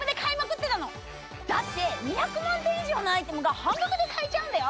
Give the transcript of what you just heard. だって２００万点以上のアイテムが半額で買えちゃうんだよ！